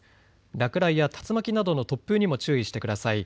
落雷や竜巻などの突風にも注意してください。